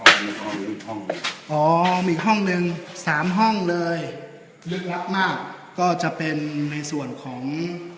อ๋อมีอีกห้องหนึ่ง๓ห้องเลยเลือกลับมากก็จะเป็นในส่วนของ